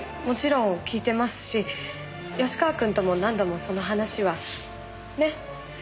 もちろん聞いてますし芳川くんとも何度もその話は。ね？